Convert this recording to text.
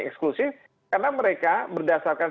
eksklusif karena mereka berdasarkan